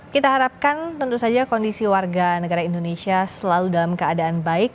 kita harapkan tentu saja kondisi warga negara indonesia selalu dalam keadaan baik